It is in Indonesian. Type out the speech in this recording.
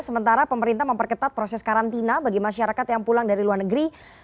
sementara pemerintah memperketat proses karantina bagi masyarakat yang pulang dari luar negeri